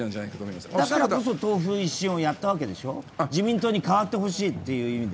まさに党風一新をやったわけでしょ、自民党に変わってほしいという意味で。